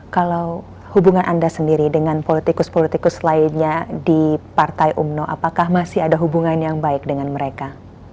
kalau hubungan anda sendiri dengan politikus politikus lainnya di partai umno apakah masih ada hubungan yang baik dengan mereka